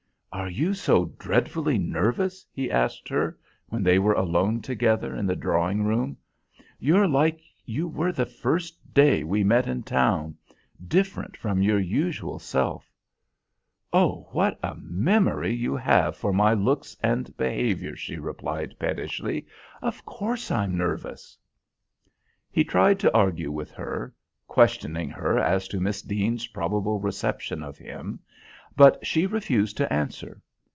"Are you so dreadfully nervous?" he asked her, when they were alone together in the drawing room. "You're like you were the first day we met in town different from your usual self." "Oh! What a memory you have for my looks and behaviour," she replied pettishly. "Of course, I'm nervous." He tried to argue with her, questioning her as to Miss Deane's probable reception of him, but she refused to answer.